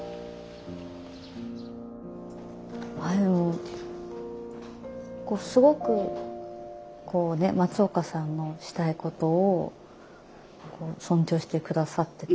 でもすごくこうね松岡さんのしたいことを尊重して下さってた。